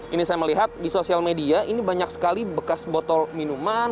ini saya melihat di sosial media ini banyak sekali bekas botol minuman